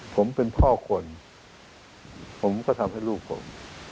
ผมเป็นพ่อคนผมก็ทำให้ลูกผม